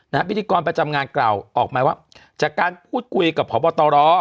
พิธีกรประจำงานกล่าวออกมาว่าจากการพูดคุยกับพบตร